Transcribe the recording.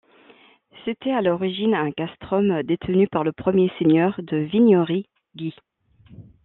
C'était à l'origine un castrum détenu par le premier seigneur de Vignory, Guy.